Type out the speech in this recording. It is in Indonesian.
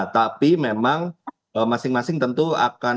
tapi memang masing masing tentu akan